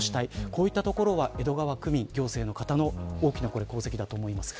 こういったところは江戸川区民と行政の大きな功績だと思います。